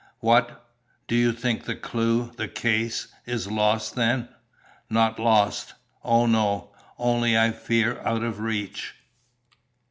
"What! Do you think the clue, the case, is lost then?" "Not lost. Oh, no. Only, I fear, out of reach."